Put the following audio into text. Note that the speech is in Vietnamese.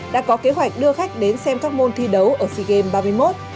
đã có kế hoạch đưa khách đến xem các môn thi đấu ở sea games ba mươi một